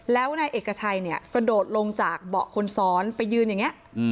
แล้วนายเอกชัยเนี่ยกระโดดลงจากเบาะคนซ้อนไปยืนอย่างนี้